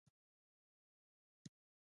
د قیصار انګور مشهور دي